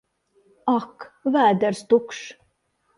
Ak! Vēders tukšs!